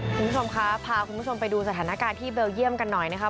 คุณผู้ชมคะพาคุณผู้ชมไปดูสถานการณ์ที่เบลเยี่ยมกันหน่อยนะครับ